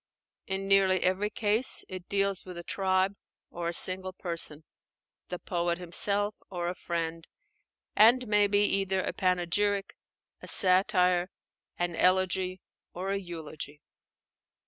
In nearly every case it deals with a tribe or a single person, the poet himself or a friend, and may be either a panegyric, a satire, an elegy, or a eulogy.